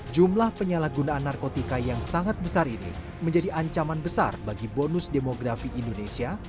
jumlah penyalahgunaan narkotika yang sangat besar ini menjadi ancaman besar bagi bonus demografi indonesia